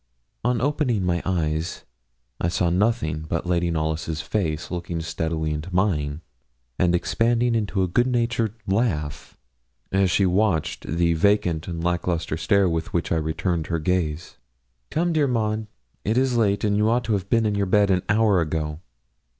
On opening my eyes, I saw nothing but Lady Knollys' face looking steadily into mine, and expanding into a good natured laugh as she watched the vacant and lack lustre stare with which I returned her gaze. 'Come, dear Maud, it is late; you ought to have been in your bed an hour ago.'